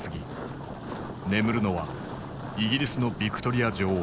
眠るのはイギリスのヴィクトリア女王。